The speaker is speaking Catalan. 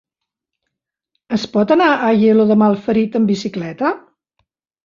Es pot anar a Aielo de Malferit amb bicicleta?